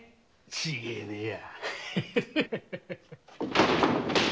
違いねえや。